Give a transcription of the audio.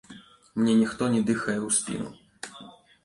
Мне ніхто не дыхае ў спіну.